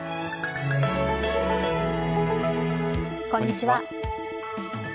こんにちは。